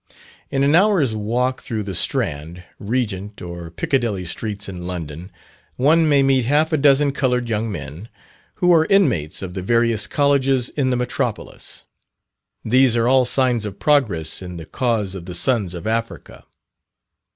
In an hour's walk through the Strand, Regent, or Piccadilly Streets in London, one may meet half a dozen coloured young men, who are inmates of the various Colleges in the metropolis. These are all signs of progress in the cause of the sons of Africa.